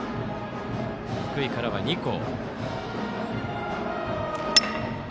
福井からは２校。